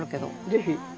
ぜひ。